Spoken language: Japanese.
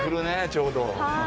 ちょうど。